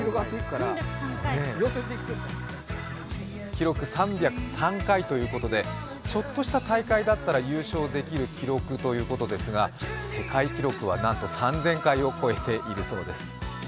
記録３０３回ということで、ちょっとした大会だったら優勝できるという記録ということですが世界記録はなんと３０００回を超えているそうです。